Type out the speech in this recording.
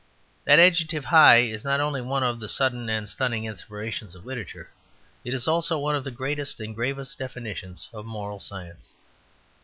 That adjective "high" is not only one of the sudden and stunning inspirations of literature; it is also one of the greatest and gravest definitions of moral science.